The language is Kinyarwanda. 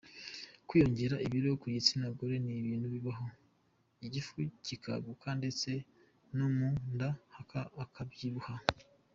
Kwiyongera ibiro ku gitsinagore ni ibintu bibaho, igifu kikaguka ndetse no mu nda hakabyibuha.